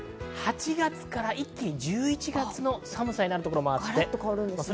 ８月から一気に１１月の寒さになるところもあります。